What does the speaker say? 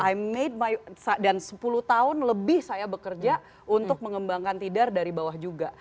imade my dan sepuluh tahun lebih saya bekerja untuk mengembangkan tidar dari bawah juga